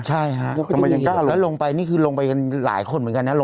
ใช่ฮะแล้วลงไปนี่คือลงไปกันหลายคนเหมือนกันนะลุง